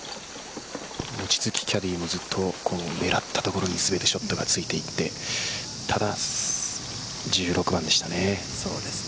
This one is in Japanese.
キャディーもずっと狙ったところにすべてショットがついていってただ１６番でしたね。